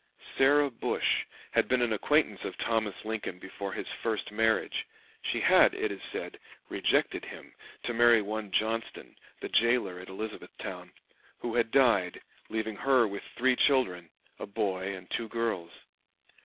Sarah Bush had been an acquaintance of Thomas Lincoln before his first marriage; she had, it is said, rejected him to marry one Johnston, the jailer at Elizabethtown, who had died, leaving her with three children, a boy and two girls.